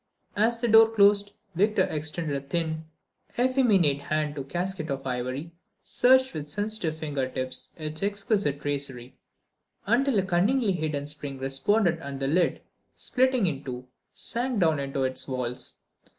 As the door closed Victor extended a thin, effeminate hand to a casket of ivory, searched with sensitive finger tips its exquisite tracery until a cunningly hidden spring responded and the lid, splitting in two, sank down into its walls.